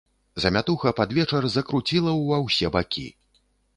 Замятуха пад вечар закруціла ўва ўсе бакі.